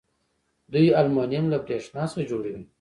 دوی المونیم له بریښنا څخه جوړوي.